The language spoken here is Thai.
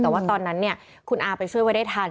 แต่ว่าตอนนั้นคุณอาไปช่วยไว้ได้ทัน